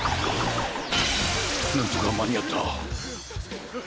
なんとかまにあった。